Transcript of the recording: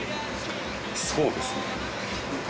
そうですね。